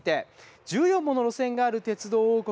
１４もの路線がある鉄道王国